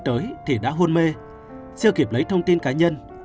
bệnh nhân khi tới thì đã hôn mê chưa kịp lấy thông tin cá nhân